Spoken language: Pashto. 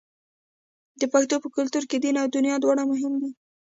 د پښتنو په کلتور کې دین او دنیا دواړه مهم دي.